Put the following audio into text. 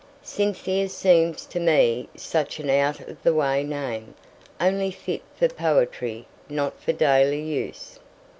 "Cynthia seems to me such an out of the way name, only fit for poetry, not for daily use."